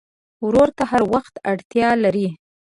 ورور ته هر وخت اړتیا لرې.